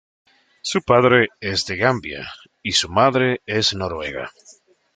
Su padre es de Gambia y su madre es noruega.